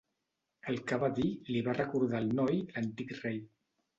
El que va dir li va recordar al noi l'antic rei.